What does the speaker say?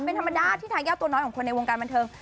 เป็นธรรมดาที่ทายาทตัวน้อยของคนในวงการบันเทิง